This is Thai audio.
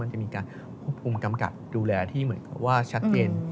จะมีการควบคุมกำกับดูแลที่เหมือนกับว่าชัดเจน